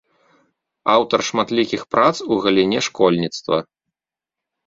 Аўтар шматлікіх прац у галіне школьніцтва.